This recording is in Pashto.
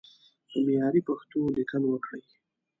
په معياري پښتو ليکل وکړئ!